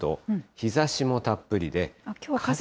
日ざしもたっぷりで。